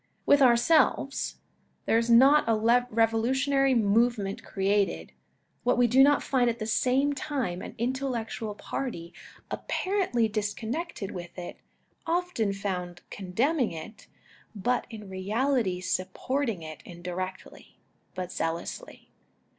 With ourselves, there is not a revolu tionary movement created, that we do not find at the same time an intellectual party apparently disconnected with it, often found condemning it, but in reality supporting it indirectly, but zealously.